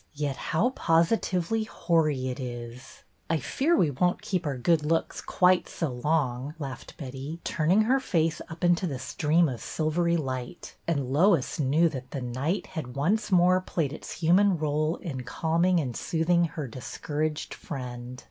Yet how posi tively hoary it is !" I fear we won't keep our good looks quite so long," laughed Betty, turning her face up into the stream of silvery light; and Lois knew that the night had once more played its human role in calming and soothing her discouraged friend.